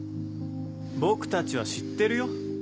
僕たちは知ってるよ。